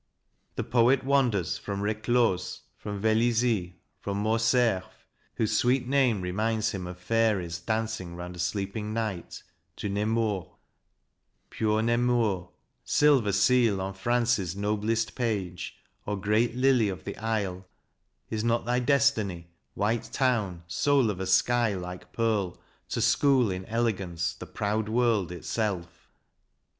The poet wanders from Reclose, from Velizy, from Morcerf (whose sweet name re minds him of fairies dancing round a sleeping Knight), to Nemours: Pure Nemours, silver seal on France's noblest page, or great lily of the isle, is not thy destiny, white town, soul of a sky like pearl, to school in elegance the proud world itself?